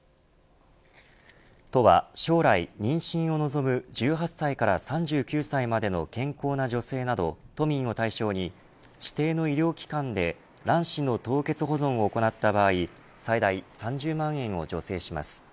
都は将来妊娠を望む１８歳から３９歳までの健康な女性など都民を対象に指定の医療機関で卵子の凍結保存を行った場合最大３０万円を助成します。